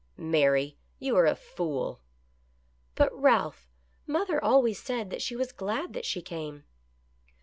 " Mary, you are a fool." " But, Ralph, mother always said that she was glad that she came."